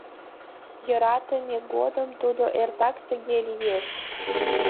Йӧратыме годым тудо эртак тыге лиеш.